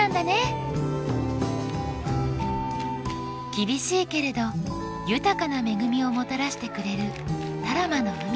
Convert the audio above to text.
厳しいけれど豊かな恵みをもたらしてくれる多良間の海。